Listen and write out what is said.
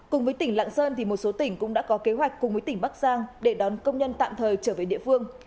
cùng với tỉnh lạng sơn một số tỉnh cũng đã có kế hoạch cùng với tỉnh bắc giang để đón công nhân tạm thời trở về địa phương